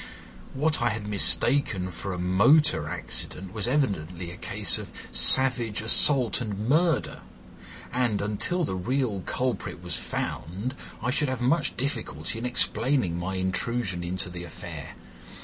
What I had mistaken for a motor accident was evidently a case of savage assault and murder, and, until the real culprit was found, I should have much difficulty in explaining my intrusion into the affair.